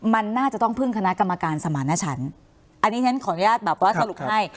มันน่าจะต้องพึ่งคณะกรรมการสมารณชันอันนี้ฉันขออนุญาตแบบว่าสรุปให้